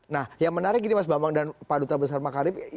nah yang menarik ini mas bambang dan pak duta besar makarim